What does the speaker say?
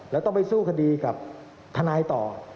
แล้วต้องไปสู้คดีกับทนายต่อ